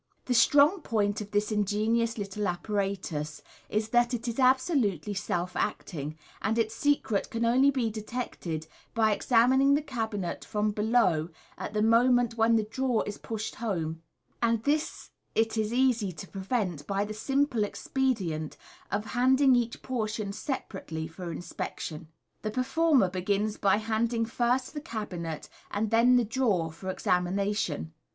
The strong point of this ingenious little appa ratus is that it is absolutely self acting, and its secret can only be detected by examining the cabinet from below at the moment when the drawer is pushed home 5 and this it is easy to prevent by the simple expedient of handing each portion separately for inspection. The performer be^i'i^ by handing first the cabinet and then the 4rawer for examination.